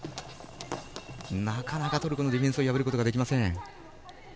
なかなかトルコのディフェンスを破ることができません。